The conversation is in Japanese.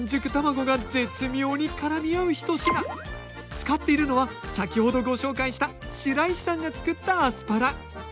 使っているのは先ほどご紹介した白石さんが作ったアスパラ！